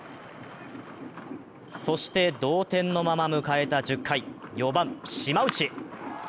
そして同点のまま迎えた１０回、４番・島内。